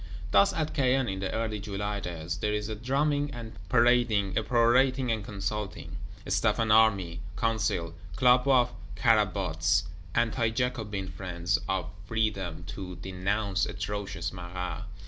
Thus at Caen, in the early July days, there is a drumming and parading, a perorating and consulting: Staff and Army; Council; Club of Carabots, Anti jacobin friends of Freedom, to denounce atrocious Marat.